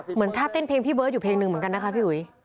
เหมือนท่าเต้นเพลงพี่เบิร์ตอยู่เพลงหนึ่งเหมือนกันนะคะพี่อุ๋ย